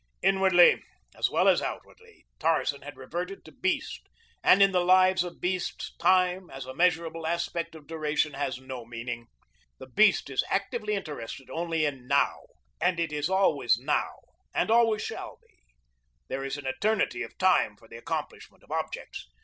Inwardly as well as outwardly Tarzan had reverted to beast and in the lives of beasts, time, as a measurable aspect of duration, has no meaning. The beast is actively interested only in NOW, and as it is always NOW and always shall be, there is an eternity of time for the accomplishment of objects.